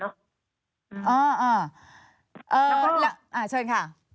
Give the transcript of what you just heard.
อ๋ออ้าวเชิญค่ะ